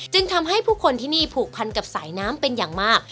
จึงทำให้ผู้คนที่นี่ผูกพันกับสายน้ำเป็นอย่างมาก